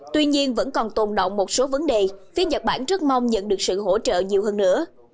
tuy nhiên vẫn còn tồn động một số vấn đề phía nhật bản rất mong nhận được sự hỗ trợ nhiều hơn nữa